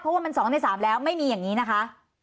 เพราะว่ามัน๒ใน๓แล้วไม่มีอย่างนี้นะคะ